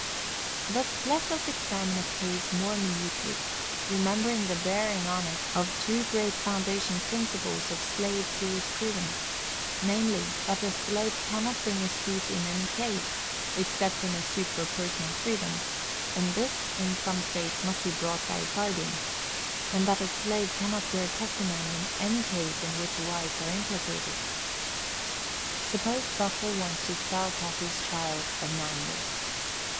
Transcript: But let us examine a case more minutely, remembering the bearing on it of two great foundation principles of slave jurisprudence: namely, that a slave cannot bring a suit in any case, except in a suit for personal freedom, and this in some states must be brought by a guardian; and that a slave cannot bear testimony in any case in which whites are implicated. Suppose Butler wants to sell Cassy's child of nine years.